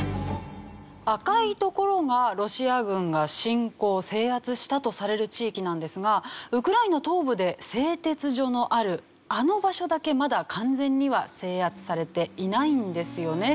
赤い所がロシア軍が侵攻・制圧したとされる地域なんですがウクライナ東部で製鉄所のあるあの場所だけまだ完全には制圧されていないんですよね。